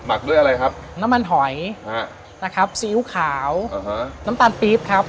ักด้วยอะไรครับน้ำมันหอยนะครับซีอิ๊วขาวน้ำตาลปี๊บครับ